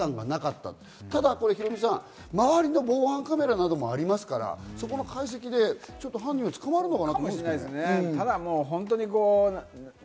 ただヒロミさん、周りの防犯カメラなどもありますから、その解析で犯人、捕まるのかな？